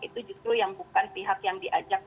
itu justru yang bukan pihak yang diajak